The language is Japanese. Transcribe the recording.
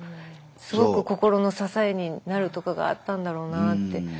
すごく心の支えになるとこがあったんだろうなって。